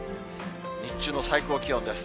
日中の最高気温です。